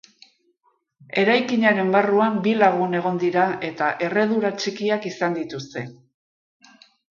Eraikinaren barruan bi lagun egon dira eta erredura txikiak izan dituzte.